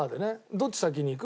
どっち先に行く？